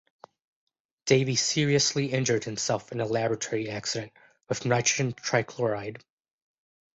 Davy seriously injured himself in a laboratory accident with nitrogen trichloride.